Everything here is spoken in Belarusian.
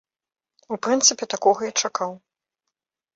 У прынцыпе, такога і чакаў.